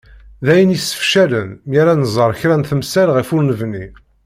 D ayen i yessefcalen mi ara nẓer kra n temsal ɣef ur nebni.